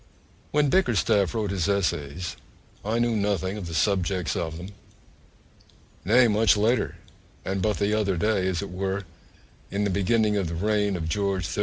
When Bickerstaff wrote his Essays I knew nothing of the subjects of them; nay, much later, and but the other day, as it were, in the beginning of the reign of George III.